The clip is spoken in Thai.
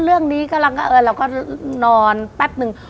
เรื่องนี้กำลังก็เออเราก็นอนแป๊บนึง